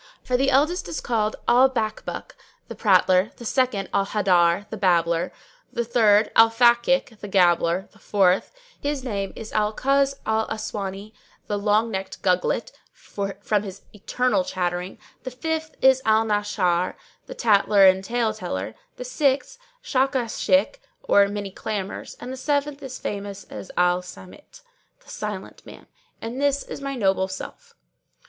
For the eldest is called Al Bakbúk, the prattler; the second Al Haddár, the babbler; the third Al Fakík, the gabbler; the fourth, his name is Al Kuz al aswáni, the long necked Gugglet, from his eternal chattering; the fifth is Al Nashshár, the tattler and tale teller; the sixth Shakáshik, or many clamours; and the seventh is famous as Al Sámit, The Silent Man, and this is my noble self!"